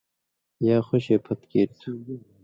یا خُوشے پھت کیر تُھو،